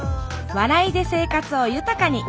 笑いで生活を豊かに。